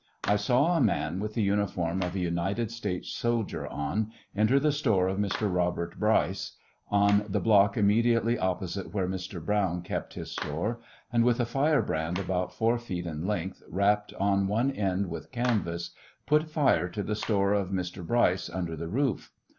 I saw a man, with the uniform of a United States soldier on, enter the store of Mr. Robert Bryce, on the block immediately opposite where Mr. Browne kept his store, and with a fire brand about four feet in length, wrapped on one end with canvas, put fire to the store of Mr. Bryce under the roof.